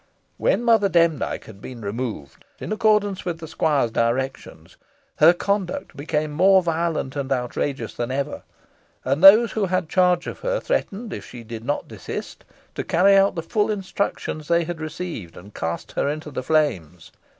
When Mother Demdike had been removed, in accordance with the squire's directions, her conduct became more violent and outrageous than ever, and those who had charge of her threatened, if she did not desist, to carry out the full instructions they had received, and cast her into the flames.